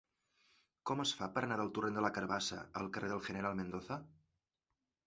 Com es fa per anar del torrent de la Carabassa al carrer del General Mendoza?